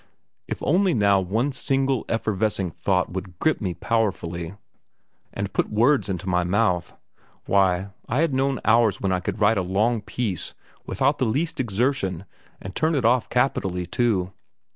If only now one single effervescing thought would grip me powerfully, and put words into my mouth. Why, I had known hours when I could write a long piece, without the least exertion, and turn it off capitally, too.